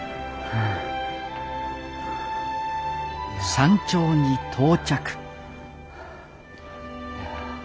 山頂に到着